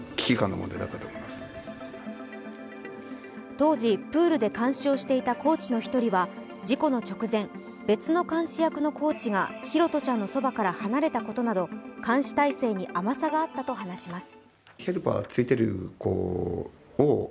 当時、プールで監視をしていたコーチの１人は事故の直前、別の監視役のコーチが拓杜ちゃんのそばから離れたことなど監視態勢に甘さがあったと話します。